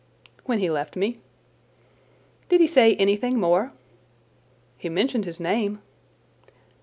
"When he left me." "Did he say anything more?" "He mentioned his name."